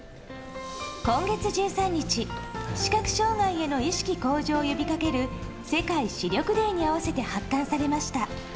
今月１３日、視覚障害への意識向上を呼び掛ける世界視力デーに合わせて発刊されました。